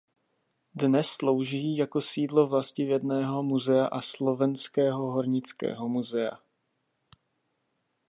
Dnes slouží jako sídlo vlastivědného muzea a Slovenského hornického muzea.